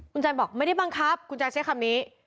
คุณแจบอกไม่ได้บังคับคุณใจใช้คำนี้